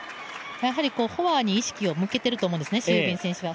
フォアに意識を向けていると思うんですね、シン・ユビン選手は。